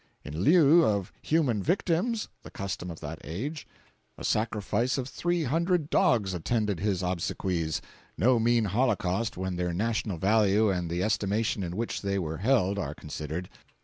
"In lieu of human victims (the custom of that age), a sacrifice of three hundred dogs attended his obsequies—no mean holocaust when their national value and the estimation in which they were held are considered.